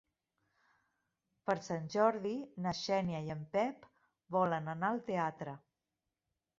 Per Sant Jordi na Xènia i en Pep volen anar al teatre.